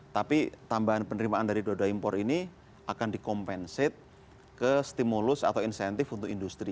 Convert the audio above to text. tapi tambahan penerimaan dari dua dua impor ini akan di compensate ke stimulus atau insentif untuk industri